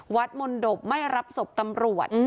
วัดมนต์ดบไม่รับศพตำรวจ